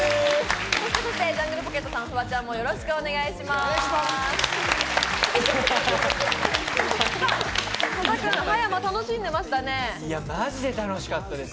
ジャングルポケットさん、フワちゃんもよろしくお願いします。